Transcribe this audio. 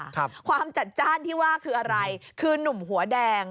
ความจัดจ้านที่ว่าคืออะไรคือนุ่มหัวแดง